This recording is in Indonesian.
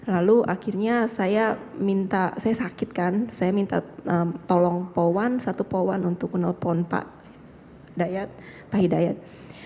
lalu akhirnya saya minta saya sakit kan saya minta tolong poan satu poan untuk menelpon pak dayat pak hidayat